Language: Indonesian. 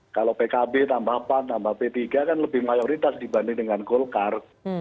kalau pkb tambah pan tambah p tiga kan lebih mayoritas dibanding dengan golkar